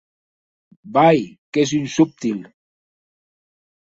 Vai!, qu'ès un subtil!